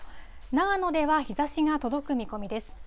長野では日ざしが届く見込みです。